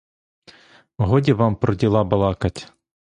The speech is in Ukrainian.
Годі вам про діла балакать!